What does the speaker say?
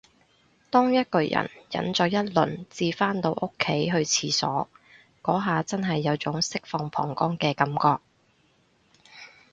當一個人忍咗一輪至返到屋企去廁所，嗰下真係有種解放膀胱嘅感覺